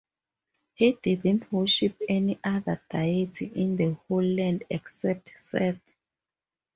He didn't worship any other deity in the whole land except Seth.